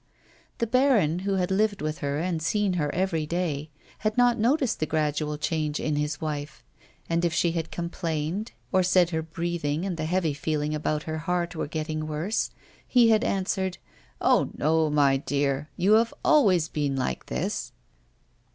The baron, who had lived with her and seen her every day, had not noticed the gradual change in his wife, and if she had complained or said her breathing and the heavy feeling about her heart were getting worse, he had answered : "Oh no, my dear. You have always been like this."